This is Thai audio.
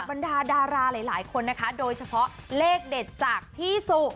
บรรดาดาราหลายคนนะคะโดยเฉพาะเลขเด็ดจากพี่สุ